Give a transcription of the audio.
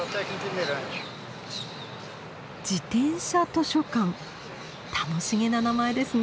自転車図書館楽しげな名前ですね。